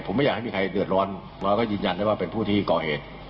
ผมไม่อยากให้มีใครเดือดร้อนแล้วก็ยืนยันได้ว่าเป็นผู้ที่ก่อเหตุ